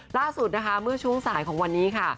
ล่าสุดนะคะเมื่อช่วงสายของวันนี้ค่ะ